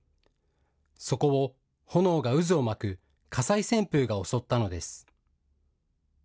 そこを炎が渦を巻く火災旋風が襲ったのです。